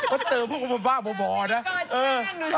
เจอพวกมันบ้าบ่อนะ